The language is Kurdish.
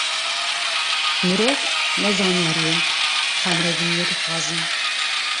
Mirov ne zanyariyê, xemrevîniyê dixwazin.